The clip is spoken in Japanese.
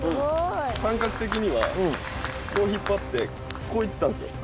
感覚的には、こう引っ張って、こういったんですよ。